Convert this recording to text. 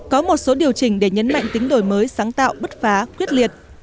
có một số điều chỉnh để nhấn mạnh tính đổi mới sáng tạo bứt phá quyết liệt